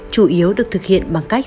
chủ yếu được thực hiện bằng cách